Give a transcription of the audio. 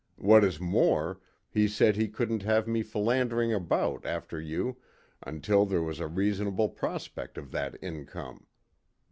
What is more, he said he couldn't have me philandering about after you until there was a reasonable prospect of that income.